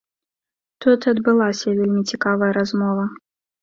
Тут і адбылася вельмі цікавая размова.